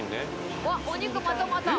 うわお肉またまた。